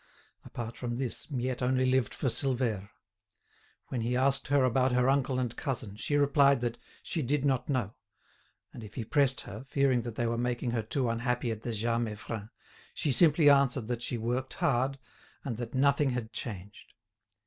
Apart from this, Miette only lived for Silvère. When he asked her about her uncle and cousin, she replied that "She did not know;" and if he pressed her, fearing that they were making her too unhappy at the Jas Meiffren, she simply answered that she worked hard, and that nothing had changed.